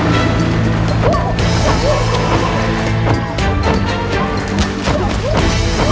sembara bisa keluar dari kutukan demi medusa